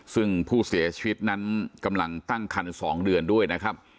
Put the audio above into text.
ซึ่งผู้เสียชีวิตนั้นกำลังตั้งคัน๒เดือนด้วยนะครับ